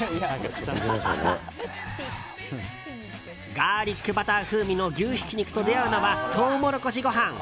ガーリックバター風味の牛ひき肉と出会うのはトウモロコシご飯。